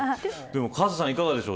カズさんどうでしょう。